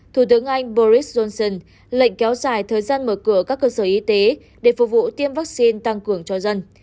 thủ tướng anh boris johnson lệnh kéo dài thời gian mở cửa các cơ sở y tế để phục vụ tiêm vaccine tăng cường cho dân